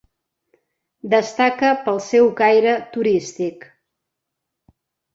Destaca pel seu caire turístic.